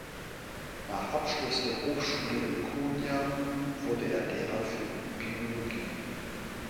Nach Abschluss der Hochschule in Konya wurde er Lehrer für Biologie.